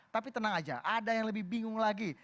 tapi tenang aja ada yang lebih bingung lagi